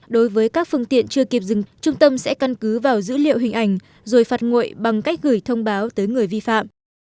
đối với các phương tiện chưa kịp dừng trung tâm sẽ căn cứ vào dữ liệu hình ảnh rồi phạt nguội bằng cách gửi thông báo tới người vi phạm